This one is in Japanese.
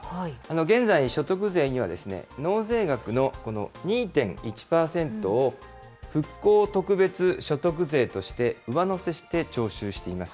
現在、所得税には納税額の２．１％を復興特別所得税として上乗せして徴収しています。